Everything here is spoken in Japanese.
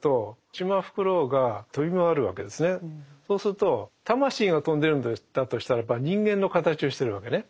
ここでそうすると魂が飛んでるんだとしたらば人間の形をしてるわけね。